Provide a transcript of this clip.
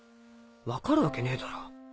分かるわけねえだろ。